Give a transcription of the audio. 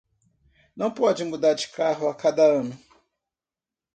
Não pode mudar de carro a cada ano